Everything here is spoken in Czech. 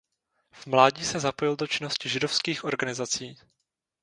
V mládí se zapojil do činnosti židovských organizací.